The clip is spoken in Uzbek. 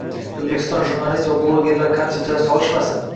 O‘zbekiston jurnalist va blogerlari qancha jar solishmasin